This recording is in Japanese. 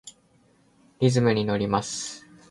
リズムにのります。